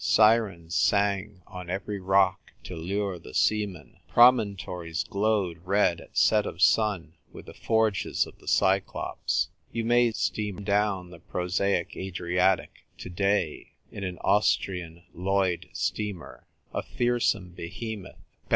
Sirens sang on every rock to lure the seaman ; promon tories glowed red at set of sun with the forges of the Cyclops. You may steam down the prosaic Adriatic to day in an Austrian Lloyd steamer — a fearsome Behemoth, bel INTRODUCES A LATTER DAY HEROINE.